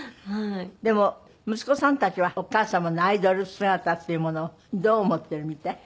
でも息子さんたちはお母様のアイドル姿っていうものをどう思っているみたい？